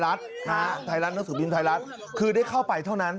รัฐค่ะไทยรัฐนักสื่อมวลไทยรัฐคือได้เข้าไปเท่านั้น